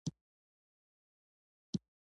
هېواد د هغې خاورې خوشحالي ده چې سولې ته رسېږي.